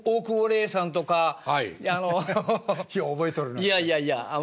いやいやいや。